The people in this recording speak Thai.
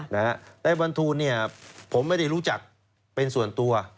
นายบรรทูลเนี่ยผมไม่ได้รู้จักเป็นส่วนตัว